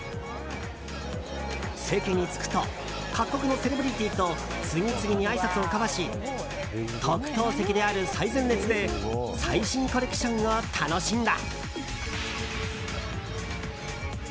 席に着くと各国のセレブリティーと次々にあいさつを交わし特等席である最前列で最新コレクションを楽しんだ。